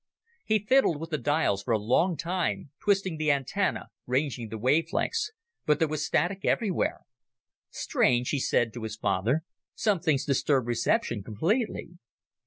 He fiddled with the dials for a long time, twisting the antenna, ranging the wavelengths, but there was static everywhere. "Strange," he said to his father, "something's disturbed reception completely."